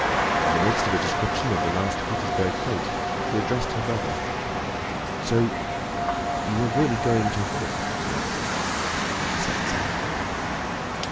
In the midst of a description of the last Petersburg fete she addressed her brother: "So you are really going to the war, Andrew?" she said sighing.